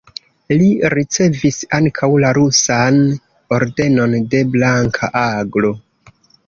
Li ricevis ankaŭ la rusan Ordenon de Blanka Aglo.